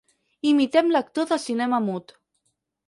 Imiten l'actor de cinema mut.